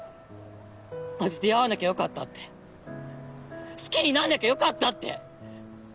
マジ出会わなきゃよかったって好きになんなきゃよかったって！